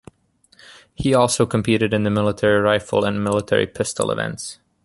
He also competed in the military rifle and military pistol events.